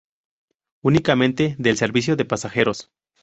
Únicamente del servicio de pasajeros.